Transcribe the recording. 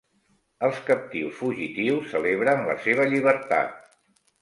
Els captius fugitius celebren la seva llibertat.